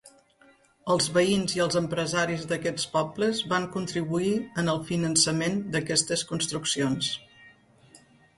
Els veïns i els empresaris d'aquests pobles van contribuir en el finançament d'aquestes construccions.